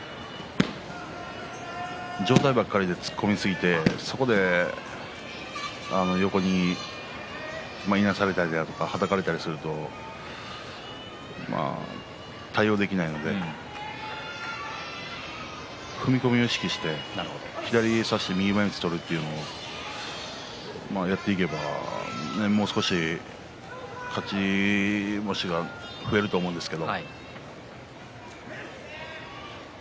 上体ばかりで突っ込みすぎてそこで横にいなされたりはたかれたりすると対応できないので踏み込みを意識して左差して右前みつを取るというのをやっていけばもう少し勝ち星が増えると思うんですが。